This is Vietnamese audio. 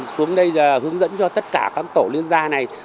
xuống đây là hướng dẫn cho tất cả các tổ liên gia này